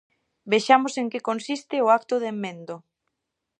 Vexamos en que consiste o acto de emendo.